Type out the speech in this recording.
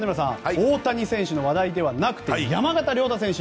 大谷選手の話題ではなくて山縣選手。